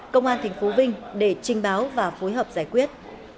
công an tp vinh để trình báo và phối hợp giải quyết